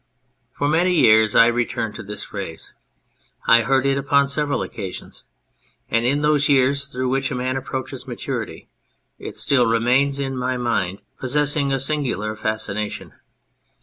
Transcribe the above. " For many years I returned to this phrase. I heard it upon several occasions. And in those years through which a man approaches maturity it still remained in my mind, possessing a singular fascina tion.